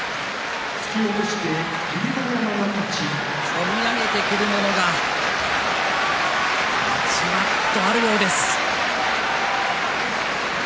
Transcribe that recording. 込み上げてくるものがじわりとあるようです。